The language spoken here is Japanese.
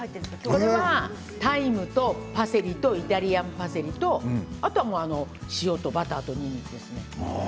これはタイムとパセリとイタリアンパセリと塩をバターとにんにくです。